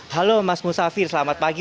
halo mas musafir selamat pagi